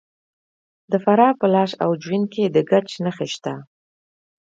د فراه په لاش او جوین کې د ګچ نښې شته.